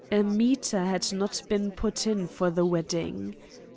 A meter had not been put in for the wedding.